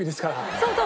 そうそう。